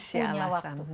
tidak punya waktu